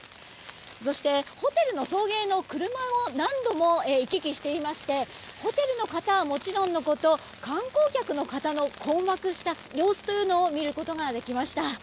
そして、ホテルの送迎の車も何度も行き来していましてホテルの方はもちろんのこと観光客の方の困惑した様子というのを見ることができました。